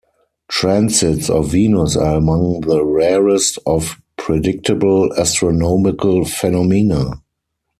Transits of Venus are among the rarest of predictable astronomical phenomena.